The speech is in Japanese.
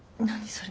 それ。